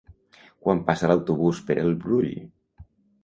Quan passa l'autobús per el Brull?